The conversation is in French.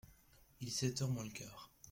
Il est sept heures moins le quart.